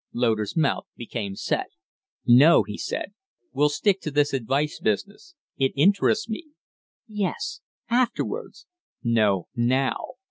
Loder's mouth became set. "No," he said, "we'll stick to this advice business. It interests me." "Yes afterwards." "No, now.